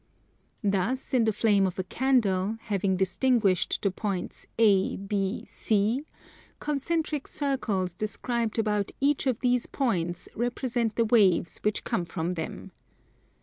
Thus in the flame of a candle, having distinguished the points A, B, C, concentric circles described about each of these points represent the waves which come from them.